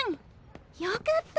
よかった！